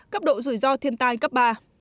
cấp độ rủi ro thiên tai cấp ba